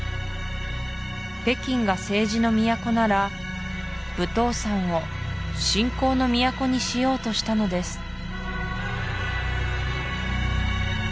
北京が政治の都なら武当山を信仰の都にしようとしたのです